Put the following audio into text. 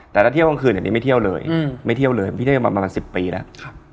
แต่ถ้าเที่ยวกลางคืนนี้ไม่เที่ยวเลยไม่เที่ยวเลยพี่เที่ยวมาประมาณ๑๐ปีแล้ว